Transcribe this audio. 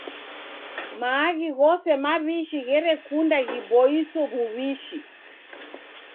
Maaghi ghose maw'ishi gherekunda ghiboiso w'uw'ishi.